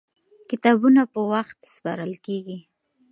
کتابونه په وخت سپارل کېږي.